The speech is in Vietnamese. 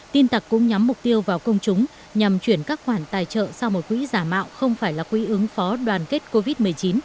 tin tặc cũng nhắm mục tiêu vào công chúng nhằm chuyển các khoản tài trợ sau một quỹ giả mạo không phải là quỹ ứng phó đoàn kết covid một mươi chín